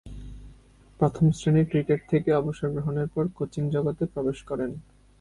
প্রথম-শ্রেণীর ক্রিকেট থেকে অবসর গ্রহণের পর কোচিং জগতে প্রবেশ করেন।